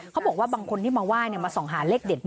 เขาบอกว่าบางคนที่มาไหว้มาส่องหาเลขเด็ด